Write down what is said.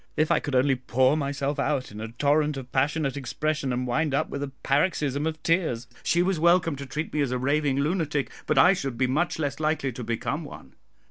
If I could only pour myself out in a torrent of passionate expression, and wind up with a paroxysm of tears, she was welcome to treat me as a raving lunatic, but I should be much less likely to become one.